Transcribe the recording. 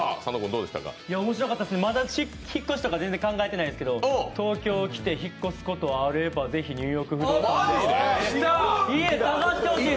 面白かったです、まだ引っ越しとか全然考えてないですけど東京来て引っ越すことあればぜひ「ニューヨーク不動産」で。